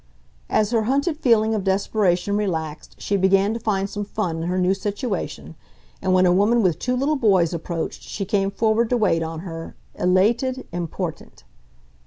As her hunted feeling of desperation relaxed she began to find some fun in her new situation, and when a woman with two little boys approached she came forward to wait on her, elated, important.